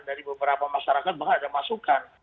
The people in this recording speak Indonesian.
dari beberapa masyarakat bahkan ada masukan